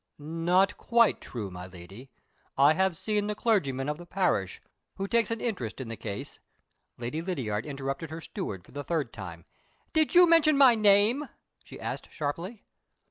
"Not quite true, my Lady. I have seen the clergyman of the parish, who takes an interest in the case " Lady Lydiard interrupted her steward for the third time. "Did you mention my name?" she asked sharply.